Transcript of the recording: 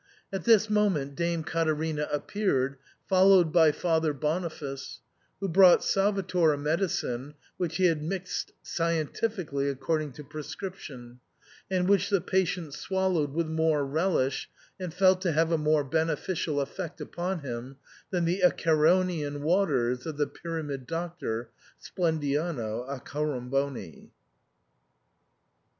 At this moment Dame Caterina appeared, followed by Father Boniface, who brought Salvator a medicine which he had mixed scientifically according to pre scription, and which the patient swallowed with more relish and felt to have a more beneficial effect upon him than the Acheronian waters of the Pyramid Doctor Splendiano Accoramboni.